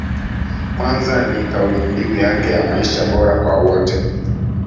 Kwanza ni kaulimbiu yake ya maisha bora kwa wote